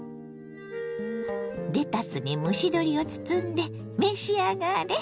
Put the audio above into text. レタスに蒸し鶏を包んで召し上がれ。